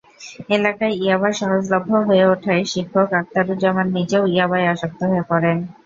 এলাকায় ইয়াবা সহজলভ্য হয়ে ওঠায় শিক্ষক আকতারুজ্জামান নিজেও ইয়াবায় আসক্ত হয়ে পড়েন।